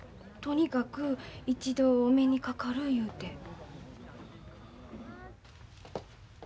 とにかく一度お目にかかる言うて。